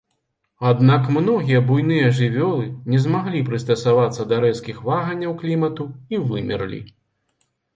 Аднак многія буйныя жывёлы не змаглі прыстасавацца да рэзкіх ваганняў клімату і вымерлі.